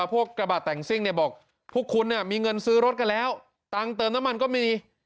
กระบาดแต่งซิ่งเนี่ยบอกพวกคุณมีเงินซื้อรถกันแล้วตังค์เติมน้ำมันก็มี